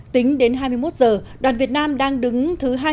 tính đến hai mươi một h đoàn việt nam đang đứng thứ